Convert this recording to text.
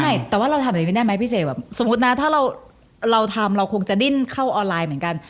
ไม่แต่ว่าเราทำแบบนี้ไม่ได้ไหมพี่เสกแบบสมมุตินะถ้าเราทำเราคงจะดิ้นเข้าออนไลน์เหมือนกัน